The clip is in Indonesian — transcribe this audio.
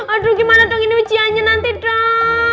aduh gimana dong ini ujiannya nanti dong